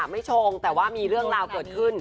ชงแต่ว่ามีเรื่องราวเกิดขึ้น